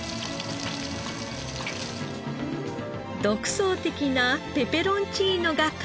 独創的なペペロンチーノが完成。